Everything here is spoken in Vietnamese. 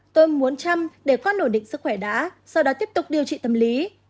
tôi muốn chăm để con ổn định sức khỏe đã sau đó tiếp tục điều trị tâm lý